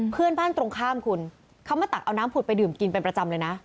เพื่อนบ้านตรงข้ามคุณเขามาตักเอาน้ำผุดไปดื่มกินเป็นประจำเลยนะ